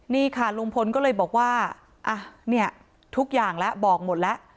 นี่ค่ะลุงพลก็เลยบอกว่าทุกอย่างบอกหมดแล้ว